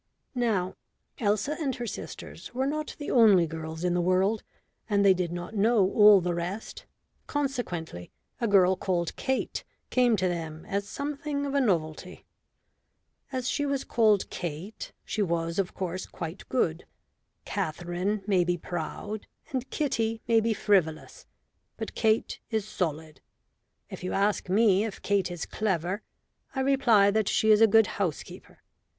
Now, Elsa and her sisters were not the only girls in the world, and they did not know all the rest; consequently a girl called Kate came to them as something of a novelty. As she was called Kate, she was, of course, quite good. Katherine may be proud, and Kitty may be frivolous, but Kate is solid. If you ask me if Kate is clever, I reply that she is a good housekeeper.